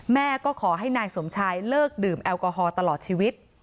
แม่ก็ขอให้นายสมชายเลิกดื่มแอลกอฮอลตลอดชีวิต